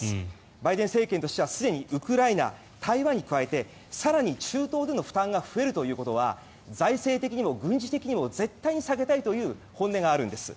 バイデン政権としてはすでにウクライナ、台湾に加えて更に中東での負担が増えるということは財政的にも軍事的にも絶対に避けたいという本音があるんです。